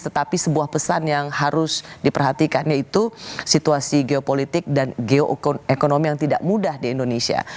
tetapi sebuah pesan yang harus diperhatikan yaitu situasi geopolitik dan geokonom yang tidak mudah di indonesia